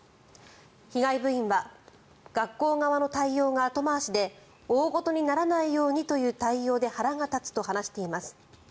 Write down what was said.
被害部員は学校側の対応が後回しで大ごとにならないようにという対応で腹が立つと話しています。